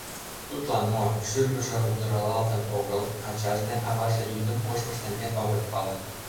Тудлан мо, шӱргыжӧ удыралалтын огыл, ачаж ден аваже йӱдым коштмыж нерген огыт пале.